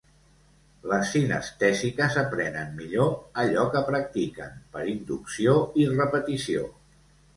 Les cinestèsiques aprenen millor allò que practiquen, per inducció i repetició.